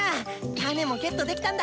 タネもゲットできたんだ！